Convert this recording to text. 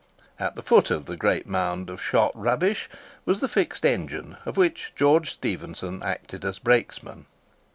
At the foot of the great mound of shot rubbish was the fixed engine of which George Stephenson acted as brakesman.